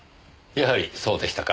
やはりそうでしたか。